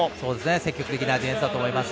積極的なディフェンスだと思います。